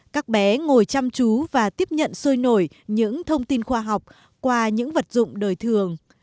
các bé ngồi chăm chú và tiếp nhận sôi nổi những thông tin khoa học qua những vật dụng đời thường